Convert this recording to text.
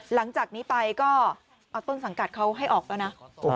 หลังจากนี้ไปก็เอาต้นสังกัดเขาให้ออกแล้วนะ